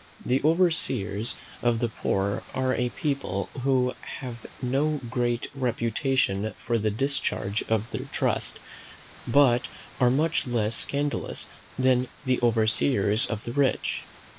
The overseers of the poor are a people who have no great reputation for the discharge of their trust, but are much less scandalous than the overseers of the rich.